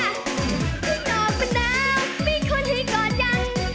ที่นอกมันหนาวมันมีคนให้กอดยัง